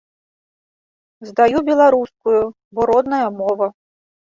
Здаю беларускую, бо родная мова.